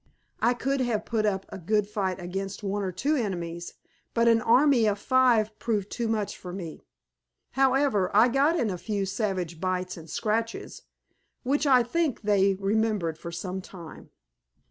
I could have put up a good fight against one or two enemies, but an army of five proved too much for me. However, I got in a few savage bites and scratches, which I think they remembered for some time.